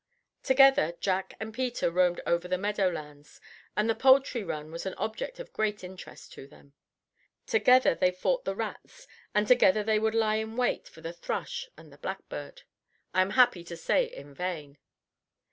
Together Jack and Peter roamed over the meadow lands, and the poultry run was an object of great interest to them. Together they fought the rats, and together they would lie in wait for the thrush and the blackbird, I am happy to say in vain.